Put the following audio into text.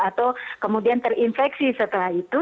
atau kemudian terinfeksi setelah itu